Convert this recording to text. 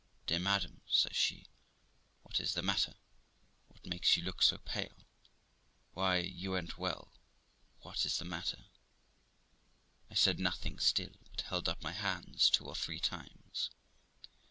'Dear madam', says she, 'what is the matter? What makes you look so pale ? Why, you an't well ; what is the matter ?' I said nothing still, but held up my hands two or three times.